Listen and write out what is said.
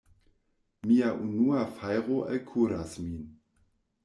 Mia unua fajro alkuras min!